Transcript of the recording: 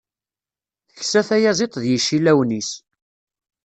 Teksa tyaziḍt d yicillawen-is.